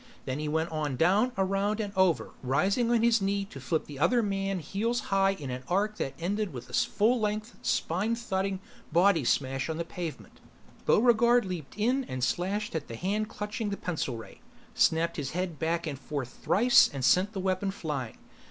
Then he went on down around and over, rising on his knees to flip the other man heels high in an arc that ended with a full length, spine thudding body smash on the pavement. Buregarde leaped in and slashed at the hand clutching the pencil ray, snapped his head back and forth thrice and sent the weapon flying.